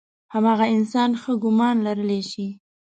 هماغه انسان ښه ګمان لرلی شي.